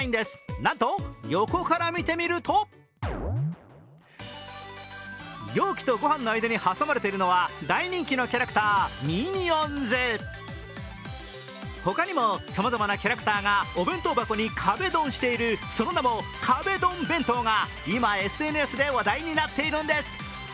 なんと、横から見てみると容器とご飯の間に挟まれているのは、大人気のキャラクター、ミニオンズ他にもさまざまなキャラクターがお弁当箱に壁ドンしている、その名も壁ドン弁当が今、ＳＮＳで話題になっているんです。